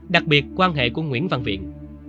đặc biệt quan hệ của nguyễn văn viện